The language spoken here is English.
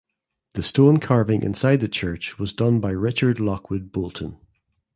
The stone carving inside the church was done by Richard Lockwood Boulton.